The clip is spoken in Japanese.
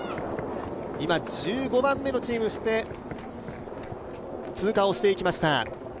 今、１５番目のチームとして通過をしていきました。